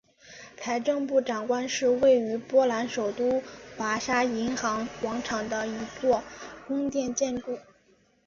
财政部长宫是位于波兰首都华沙银行广场的一座宫殿建筑。